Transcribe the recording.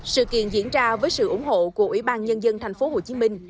sự kiện diễn ra với sự ủng hộ của ủy ban nhân dân thành phố hồ chí minh